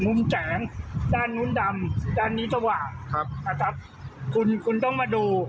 มุมแสงด้านนู้นดำด้านนี้สว่างครับนะครับคุณคุณต้องมาดู